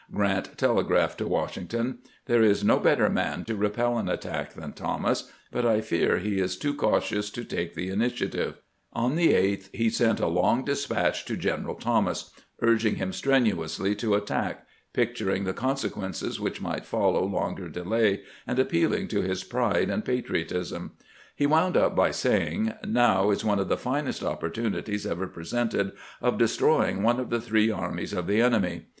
Grant telegraphed to Washington :" There is no better man to repel an attack than Thomas, but I fear he is too cautious to take the ini tiative." On the 8th he sent a long despatch to General Thomas, urging him strenuously to attack, picturing the consequences which might follow longer delay, and ap pealing to his pride and patriotism. He wound up by saying: "Now is one of the finest opportunities ever presented of destroying one of the three armies of the enemy.